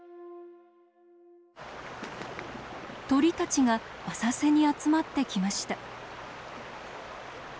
鳥たちが浅瀬に集まってきました。